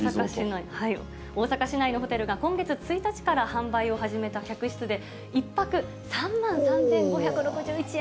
大阪市内のホテルが今月１日から販売を始めた客室で、１拍３万３５６１円。